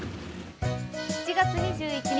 ７月２１日